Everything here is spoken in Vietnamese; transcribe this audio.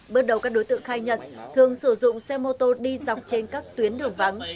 bước đầu các đối tượng khai nhận thường sử dụng xe mô tô đi dọc trên các tuyến đường vắng